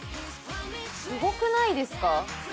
すごくないですか？